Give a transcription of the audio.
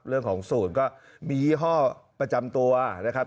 เรื่องของสูตรก็มียี่ห้อประจำตัวนะครับ